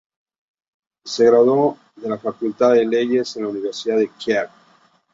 Se graduó de la facultad de leyes en la Universidad de Kiev.